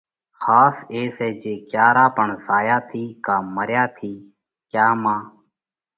ۿاس اي سئہ جي ڪيا را پڻ زايا ٿِي ڪا مريا ٿِي ڪيا مانه